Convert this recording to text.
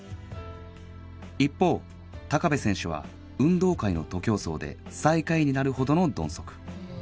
一方部選手は運動会の徒競走で最下位になるほどの鈍足